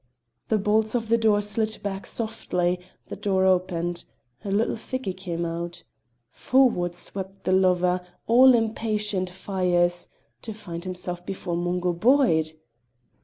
The bolts of the door slid back softly; the door opened; a little figure came out. Forward swept the lover, all impatient fires to find himself before Mungo Boyd!